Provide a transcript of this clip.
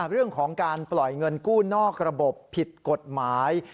เรื่องของการปล่อยเงินกู้นอกระบบผิดกฎหมาย